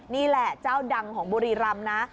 นี่แหละเจ้าดังของบุรีรำนะ